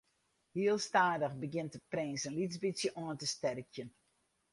Heel stadich begjint de prins in lyts bytsje oan te sterkjen.